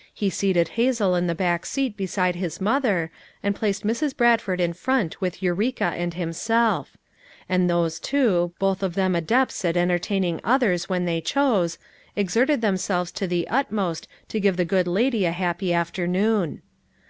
'' He seated Hazel in the back seat beside his mother, and placed Mrs. Bradford in front with Eureka and himself; and those two, both of them adepts at entertaining others when they chose, exerted themselves to the utmost to give the good lady a happy afternoon.